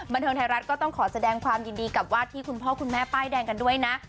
บันเทิงไทยรัฐก็ต้องขอแสดงความยินดีกับวาดที่คุณพ่อคุณแม่ป้ายแดงกันด้วยนะ